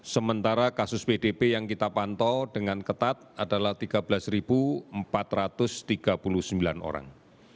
sementara kasus pdb yang kita pantau dengan ketat adalah tiga belas empat ratus tiga puluh sembilan orang